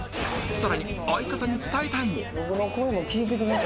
さらに相方に伝えたい！も